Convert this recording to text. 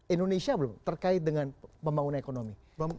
indonesia belum terkait dengan pembangunan ekonomi